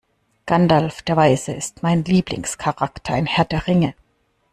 Gandalf der Weise ist mein Lieblingscharakter in Herr der Ringe.